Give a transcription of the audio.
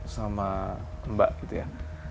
sama mbak gitu ya